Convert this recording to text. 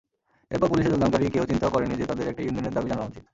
এরপর পুলিশে যোগদানকারী কেউ চিন্তাও করেনি যে তাদের একটা ইউনিয়নের দাবি জানানো উচিত।